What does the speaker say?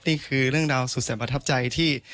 นี่คือเรื่องราวสุดแสนประทับใจที่